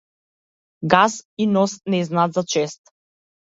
Газ и нос не знаат за чест.